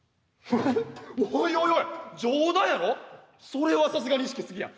それはさすがにシケすぎや。